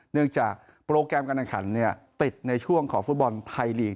เนื่องจากโปรแกรมการแข่งขันติดในช่วงของฟุตบอลไทยลีก